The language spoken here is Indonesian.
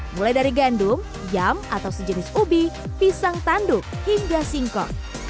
mulai dari gandum yum atau sejenis ubi pisang tanduk hingga singkok